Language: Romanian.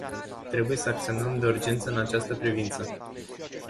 Trebuie să acționăm de urgență în această privință.